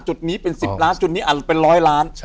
จุดนี้เป็น๑๐ล้านจุดนี้อาจจะเป็นร้อยล้าน